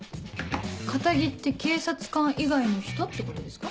「堅気」って警察官以外の人ってことですか？